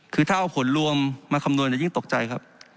คือถ้าเอาผลรวมมาคำนวณยิ่งตกใจครับ